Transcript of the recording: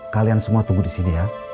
kalian semua tunggu disini ya